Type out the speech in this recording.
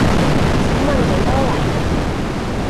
請問幾多位？